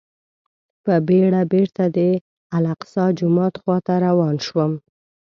په بېړه بېرته د الاقصی جومات خواته روان شوم.